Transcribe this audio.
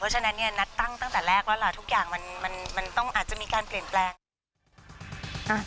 ฉะนั้นเนี่ยนัทตั้งตั้งแต่แรกแล้วล่ะทุกอย่างมันต้องอาจจะมีการเปลี่ยนแปลง